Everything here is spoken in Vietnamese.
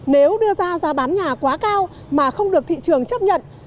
nếu đưa ra giá bán nhà quá cao mà không được thị trường chấp nhận